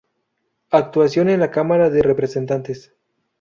Actuación en la Cámara de Representantes.